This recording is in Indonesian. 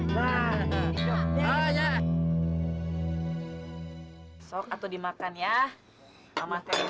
besok atau dimakan ya